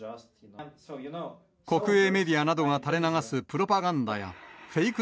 国営メディアなどが垂れ流すプロパガンダやフェイク